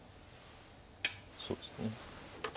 そうですね。